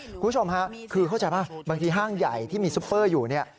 คุณผู้ชมค่ะคือเข้าใจป่ะบางทีห้างใหญ่ที่มีซุปเปอร์อยู่เนี่ย